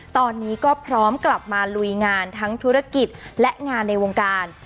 ตอนนี้ก็พร้อมกลับมาลุยงานทั้งธุรกิจและงานในวงการ